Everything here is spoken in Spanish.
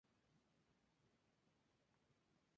A partir de este partido comienza su carrera profesional.